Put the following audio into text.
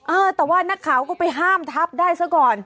เออแต่ว่านักข่าวก็ไปห้ามทับได้ซะก่อน